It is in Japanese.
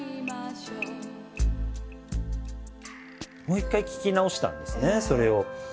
もう一回聴き直したんですねそれを。